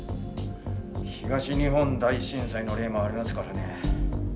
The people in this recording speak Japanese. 東日本大震災の例もありますからねえ。